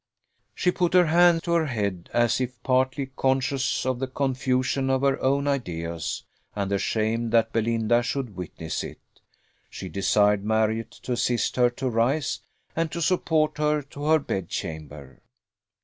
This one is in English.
She put her hand to her head, as if partly conscious of the confusion of her own ideas: and ashamed that Belinda should witness it, she desired Marriott to assist her to rise, and to support her to her bedchamber.